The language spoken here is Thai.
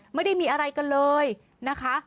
ไม่ได้มีอะไรกันเลยนะคะ